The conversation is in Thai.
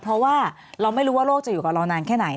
เพราะว่าเราไม่รู้ว่าโลกจะอยู่กับเรานานแค่ไหน